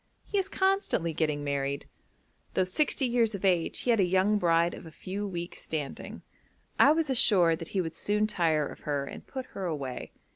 He is constantly getting married. Though sixty years of age he had a young bride of a few weeks' standing. I was assured that he would soon tire of her and put her away.